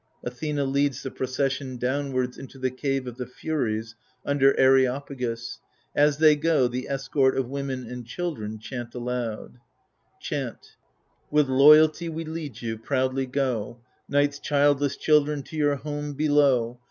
[Athena leads the procession downwards into the Cave of the Furies^ under Areopagus : as they gOy the escort of women and children chant aloud Chant With loyalty we lead you ; proudly go^ Night's childless children, to your home below